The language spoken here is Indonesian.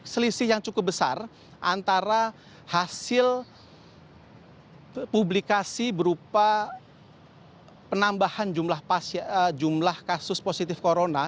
selisih yang cukup besar antara hasil publikasi berupa penambahan jumlah kasus positif corona